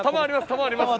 球あります！